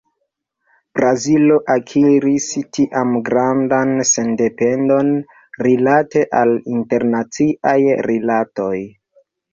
Brazilo akiris tiam grandan sendependon rilate al internaciaj rilatoj.